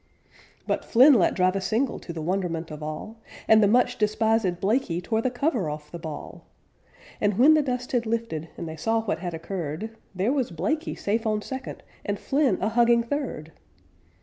But Flynn let drive a single to the wonderment of all, And the much despisèd Blaikie tore the cover off the ball; And when the dust had lifted, and they saw what had occurred, There was Blaikie safe on second and Flynn a hugging third!